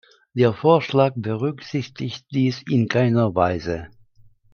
Der Vorschlag berücksichtigt dies in keiner Weise.